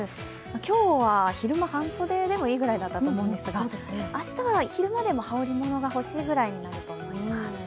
今日は昼間、半袖でもいいぐらいだったと思うんですが、明日は昼間でも羽織り物が欲しいくらいになると思います。